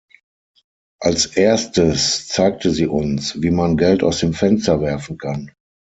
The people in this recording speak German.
Als Erstes zeigte sie uns, wie man Geld aus dem Fenster werfen kann.